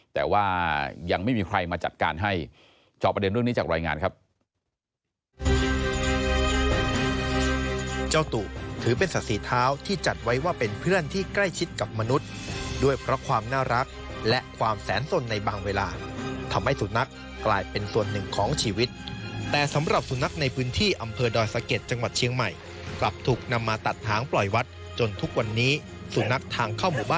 แต่ว่ายังไม่มีใครมาจัดการให้จอบประเด็นเรื่องนี้จากรายงานครับ